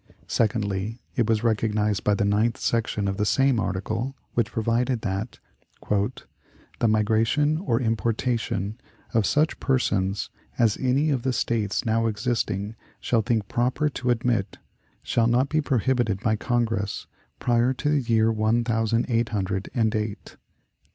Secondly, it was recognized by the ninth section of the same article, which provided that "the migration or importation of such persons as any of the States now existing shall think proper to admit shall not be prohibited by Congress prior to the year one thousand eight hundred and eight."